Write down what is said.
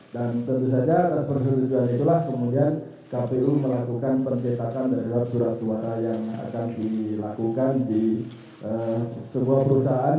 tentu saja atas persetujuan itulah kemudian kpu melakukan percetakan terhadap surat suara yang akan dilakukan di sebuah perusahaan